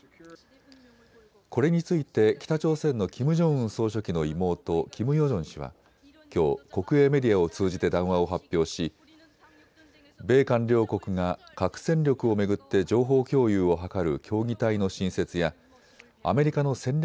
これについて北朝鮮のキム・ジョンウン総書記の妹、キム・ヨジョン氏はきょう国営メディアを通じて談話を発表し、米韓両国が核戦力を巡って情報共有を図る協議体の新設やアメリカの戦略